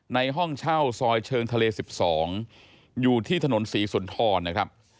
ห้องเช่าซอยเชิงทะเล๑๒อยู่ที่ถนนศรีสุนทรนะครับ